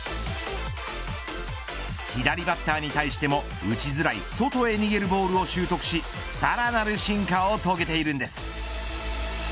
左バッターに対しても打ちづらい外へ逃げるボールを習得しさらなる進化を遂げているんです。